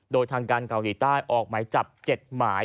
โดยทางการเกาหลีใต้ออกหมายจับ๗หมาย